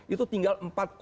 itu tinggal empat satu